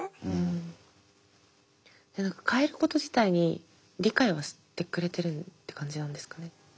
変えること自体に理解はしてくれてるって感じなんですかね？